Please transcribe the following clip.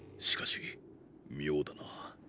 しかし妙だな。